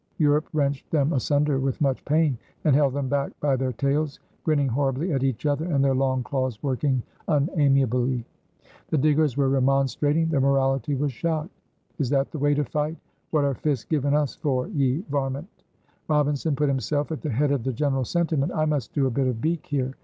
Europe wrenched them asunder with much pain, and held them back by their tails, grinning horribly at each other, and their long claws working unamiably. The diggers were remonstrating; their morality was shocked. "Is that the way to fight? What are fists given us for, ye varmint?" Robinson put himself at the head of the general sentiment. "I must do a bit of beak here!!!"